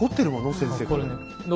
先生これ。